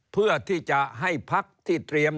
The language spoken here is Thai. เพื่อที่จะให้พักที่เตรียม